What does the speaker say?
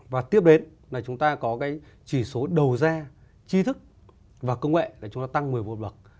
và tiếp đến là chúng ta có cái chỉ số đầu ra chi thức và công nghệ để chúng ta tăng một mươi một bậc